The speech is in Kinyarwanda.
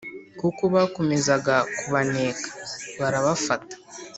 kuko bakomezaga kubaneka; barabafata